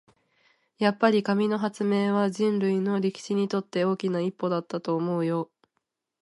やっぱり、紙の発明は人類の歴史にとって大きな一歩だったと思うよ。